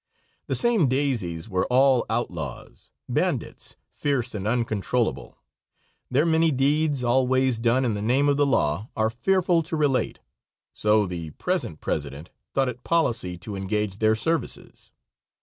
The same "daisies" were all outlaws, bandits, fierce and uncontrollable. Their many deeds, always done in the name of the law, are fearful to relate, so the present president thought it policy to engage their services.